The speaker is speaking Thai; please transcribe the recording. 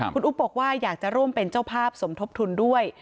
คุณอุ๊บบอกว่าอยากจะร่วมเป็นเจ้าภาพสมทบทุนด้วย